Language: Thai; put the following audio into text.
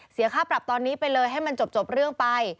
เสียค่าปรับตอนนี้ไปเลยให้มันจบเรื่องไป